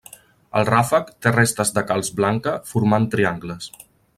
El ràfec té restes de calç blanca formant triangles.